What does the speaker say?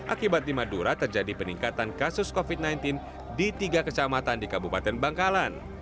akibat di madura terjadi peningkatan kasus covid sembilan belas di tiga kecamatan di kabupaten bangkalan